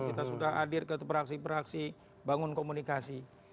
kita sudah hadir ke fraksi fraksi bangun komunikasi